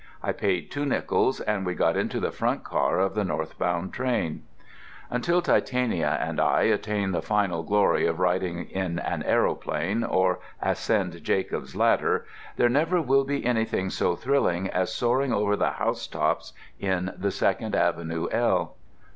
I paid two nickels and we got into the front car of the northbound train. Until Titania and I attain the final glory of riding in an aeroplane, or ascend Jacob's ladder, there never will be anything so thrilling as soaring over the housetops in the Second Avenue L.